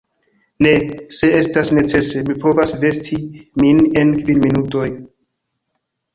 Ne; se estas necese, mi povas vesti min en kvin minutoj.